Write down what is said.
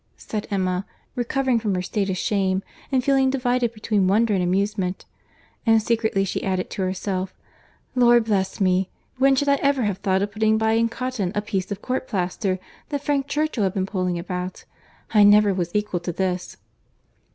said Emma, recovering from her state of shame and feeling divided between wonder and amusement. And secretly she added to herself, "Lord bless me! when should I ever have thought of putting by in cotton a piece of court plaister that Frank Churchill had been pulling about! I never was equal to this."